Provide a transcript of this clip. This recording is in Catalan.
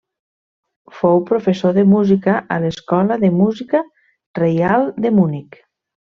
Fou professor de música a l'Escola de Música Reial de Munic.